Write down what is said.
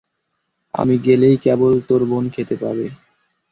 আমি গেলেই কেবল তোর বোন খেতে পাবে।